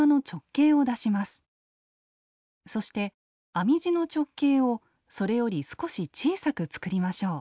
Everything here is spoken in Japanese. そして編み地の直径をそれより少し小さく作りましょう。